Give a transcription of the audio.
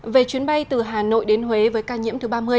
về chuyến bay từ hà nội đến huế với ca nhiễm thứ ba mươi